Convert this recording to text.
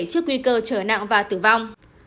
trước nguy cơ trở nặng và tử vong